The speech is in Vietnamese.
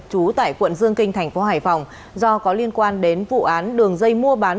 trú tại quận dương kinh tp hải phòng do có liên quan đến vụ án đường dây mua bán